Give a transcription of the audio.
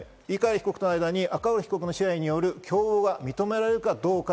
碇被告との間に、赤堀被告の支配による共謀が認められるか。